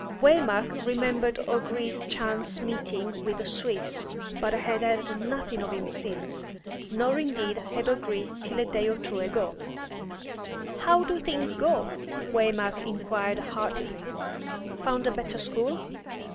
Waymark remembered O'Gree's chance meeting with the Swiss, but had heard nothing of him since; nor indeed had O'Gree till a day or two ago. "How do things go?" Waymark inquired heartily. "Found a better school?"